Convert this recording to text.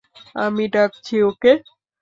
আমি ডাকছি ওকে।